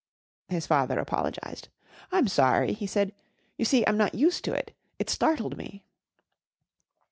His father apologised. "I'm sorry," he said. "You see, I'm not used to it. It startled me."